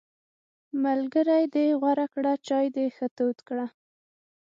ملګری دې غوره کړه، چای دې ښه تود کړه!